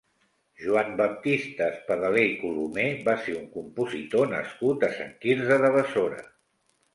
Joan Baptista Espadaler i Colomer va ser un compositor nascut a Sant Quirze de Besora.